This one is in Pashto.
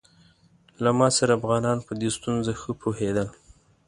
له ما سره افغانان په دې ستونزه ښه پوهېدل.